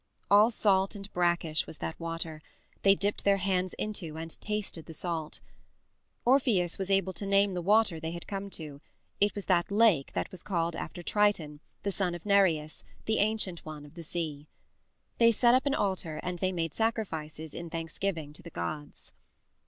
All salt and brackish was that water; they dipped their hands into and tasted the salt. Orpheus was able to name the water they had come to; it was that lake that was called after Triton, the son of Nereus, the ancient one of the sea. They set up an altar and they made sacrifices in thanksgiving to the gods.